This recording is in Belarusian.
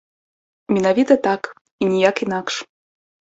Менавіта так і ніяк інакш.